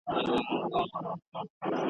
ما یې پښو ته وه لیدلي بې حسابه وزرونه ,